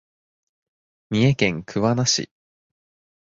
三重県桑名市